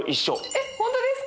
えっ本当ですか？